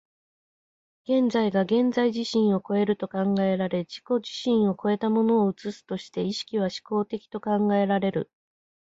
現在が現在自身を越えると考えられ、自己自身を越えたものを映すとして、意識は志向的と考えられる。